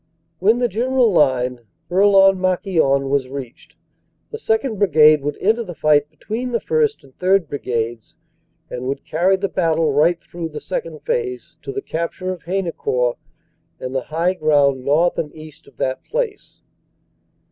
When the general line, Bourlon Marquion, was reached, the 2nd. Brigade would enter the fight between the 1st. and 3rd. Brigades, and would carry the battle right through the Second Phase to the capture of Haynecourt and the high ground north and east of that place.